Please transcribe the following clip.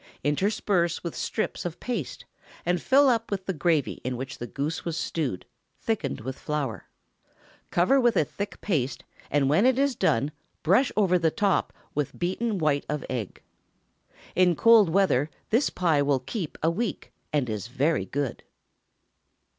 Intersperse with strips of paste, and fill up with the gravy in which the goose was stewed, thickened with flour. Cover with a thick paste, and when it is done, brush over the top with beaten white of egg. In cold weather this pie will keep a week, and is very good.